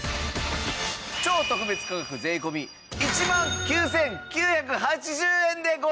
超特別価格税込１万９９８０円でご提供させて頂きます！